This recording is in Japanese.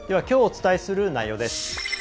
きょうお伝えする内容です。